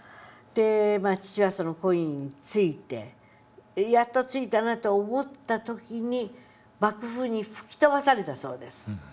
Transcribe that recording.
父親は己斐に着いてやっと着いたなと思った時に爆風に吹き飛ばされたそうです。